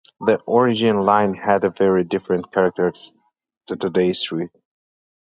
The original line had a very different character to today's route.